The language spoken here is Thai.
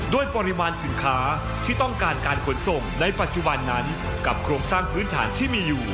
ปริมาณสินค้าที่ต้องการการขนส่งในปัจจุบันนั้นกับโครงสร้างพื้นฐานที่มีอยู่